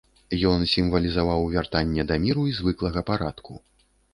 Ён сімвалізаваў вяртанне да міру і звыклага парадку.